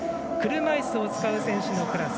車いすを使う選手のクラス。